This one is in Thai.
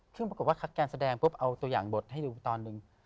ซึ่งปรากฏว่าคัดการแสดงปุ๊บเอาตัวอย่างบทให้ดูตอนหนึ่ง